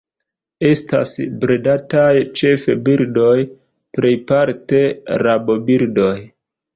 Estas bredataj ĉefe birdoj, plejparte rabobirdoj.